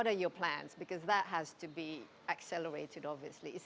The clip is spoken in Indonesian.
karena itu harus dikecewakan